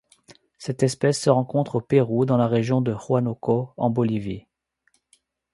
Cette espèce se rencontre au Pérou dans la région de Huánuco et en Bolivie.